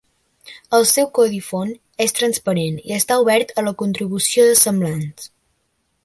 El seu codi font és transparent i està obert a la contribució de semblants.